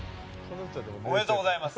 おめでとうございます。